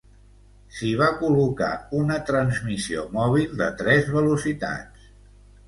S'hi va colo-car una transmissió mòbil de tres velocitats.